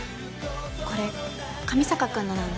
これ上坂君のなんです。